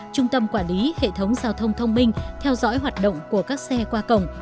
trung tâm quản lý hệ thống giao thông thông minh theo dõi hoạt động của các xe qua cổng